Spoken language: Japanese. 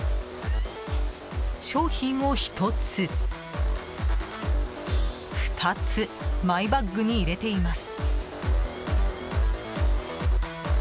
商品を１つ、２つマイバッグに入れています。